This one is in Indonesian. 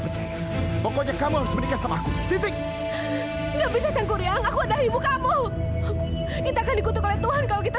sampai jumpa di video selanjutnya